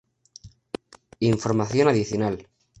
Información adicional